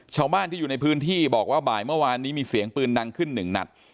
ชาวบ้านที่อยู่ในพื้นที่บอกว่าบ่ายเมื่อวานนี้มีเสียงปืนดังขึ้นหนึ่งนัด